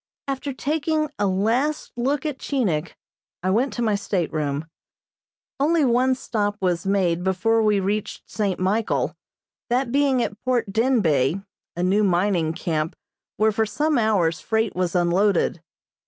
After taking a last look at Chinik, I went to my stateroom. Only one stop was made before we reached St. Michael, that being at Port Denbeigh, a new mining camp where for some hours freight was unloaded.